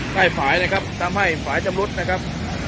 ฝ่ายนะครับทำให้ฝ่ายจำรุดนะครับ